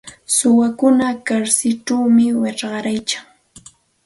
Suwakuna karsilćhawmi wichqaryarkan.